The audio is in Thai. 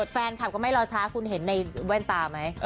แฟนคลับก็ไม่รอช้าคุณเห็นในแว่นตาไหม